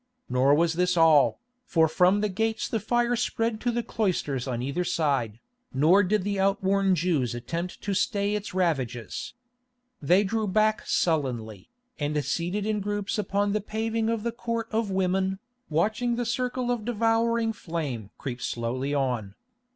Nor was this all, for from the gates the fire spread to the cloisters on either side, nor did the outworn Jews attempt to stay its ravages. They drew back sullenly, and seated in groups upon the paving of the Court of Women, watching the circle of devouring flame creep slowly on.